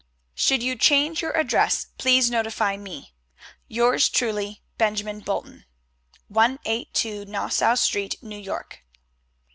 Should you change your address, please notify me. Yours truly, BENJAMIN BOLTON. 182 Nassau Street, New York.